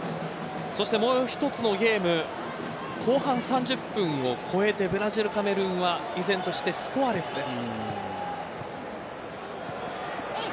もう１つのゲーム後半３０分を超えてブラジル、カメルーンは依然としてスコアレスです。